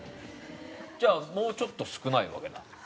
じゃあもうちょっと少ないわけだ。